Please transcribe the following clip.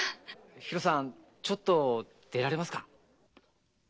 ひろさんちょっと出られますか？